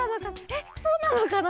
えっそうなのかな？